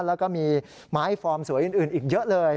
แล้วก็มีไม้ฟอร์มสวยอื่นอีกเยอะเลย